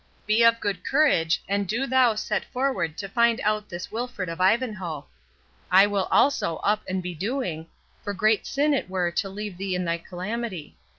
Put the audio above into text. Be of good courage, and do thou set forward to find out this Wilfred of Ivanhoe. I will also up and be doing, for great sin it were to leave thee in thy calamity.